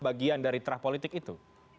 bagian dari terah politik itu